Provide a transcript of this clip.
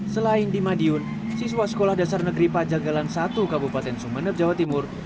selain di madiun siswa sekolah dasar negeri pajanggalan i kabupaten sumener jawa timur